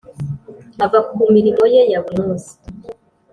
Ava ku mirimo ye ya buri munsi